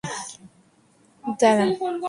এটা একটু সস্তা হচ্ছে, না?